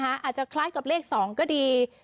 อาจจะคล้ายกับเลข๒ก็ดี